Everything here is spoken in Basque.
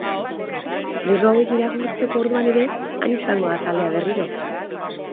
Lerro hauek irakurtzeko orduan ere han izango da taldea berriro.